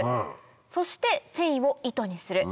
そして繊維を糸にする。